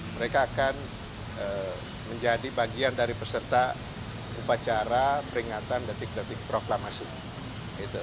mereka akan menjadi bagian dari peserta upacara peringatan detik detik proklamasi